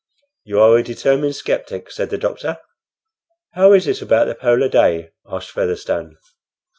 "You are a determined sceptic," said the doctor. "How is it about the polar day?" asked Featherstone.